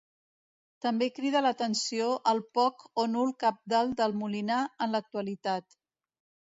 També crida l'atenció el poc o nul cabdal del Molinar en l'actualitat.